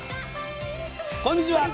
こんにちは。